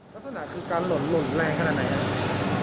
ลักษณะคือการหล่นแรงขนาดไหนครับ